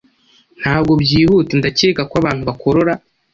Ntabwo byihuta ndakeka ko abantu bakorora